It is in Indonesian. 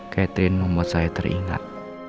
catherine membuat saya teringat